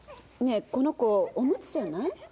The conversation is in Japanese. ねえこの子おむつじゃない？